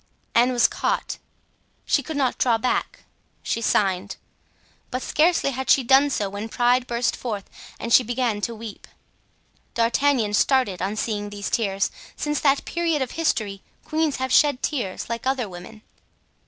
'" Anne was caught, she could not draw back—she signed; but scarcely had she done so when pride burst forth and she began to weep. D'Artagnan started on seeing these tears. Since that period of history queens have shed tears, like other women.